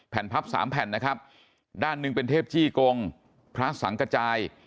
พับสามแผ่นนะครับด้านหนึ่งเป็นเทพจี้กงพระสังกระจาย